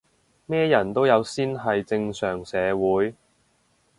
咩人都有先係正常社會